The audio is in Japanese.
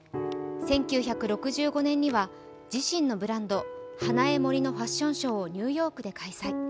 １９６５年には、自身のブランドＨＡＮＡＥＭＯＲＩのファッションショーをニューヨークで開催。